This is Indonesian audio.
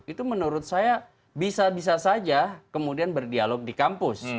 itu menurut saya bisa bisa saja kemudian berdialog di kampus